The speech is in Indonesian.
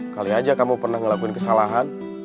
kali aja kamu pernah ngelakuin kesalahan